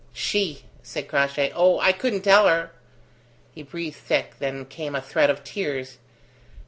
"She!" said Crossjay. "Oh, I couldn't tell her." He breathed thick; then came a threat of tears.